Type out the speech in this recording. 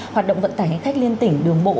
hoạt động vận tải khách liên tỉnh đường bộ